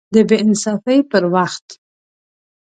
د بې انصافۍ پر وخت